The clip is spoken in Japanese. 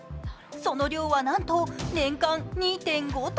その量はなんと年間２．５ｔ。